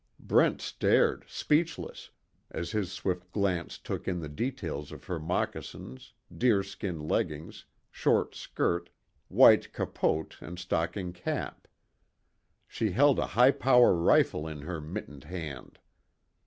Brent stared, speechless, as his swift glance took in the details of her moccasins, deer skin leggings, short skirt, white capote and stocking cap. She held a high power rifle in her mittened hand.